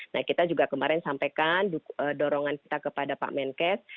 nah kita juga kemarin sampaikan dorongan kita kepada pak menkes